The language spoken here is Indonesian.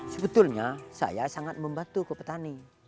sebetulnya saya sangat membantu ke petani